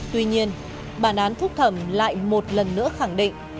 tuy nhiên bản án phúc thẩm lại một lần nữa khẳng định